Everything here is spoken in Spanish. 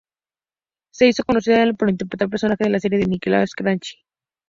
Se hizo conocida por interpretar el personaje de en la serie de Nickelodeon "Grachi".